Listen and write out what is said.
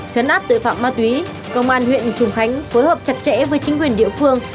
chấn áp tội phạm ma túy công an huyện trùng khánh phối hợp chặt chẽ với chính quyền địa phương